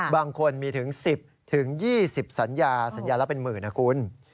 บางคนมีถึง๑๐๒๐สัญญาสัญญาละเป็นหมื่นนะคุณ